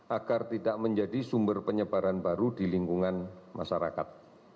agar tidak menjadi sumber penyebaran baru di lingkungan masyarakat